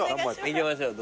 行きましょう。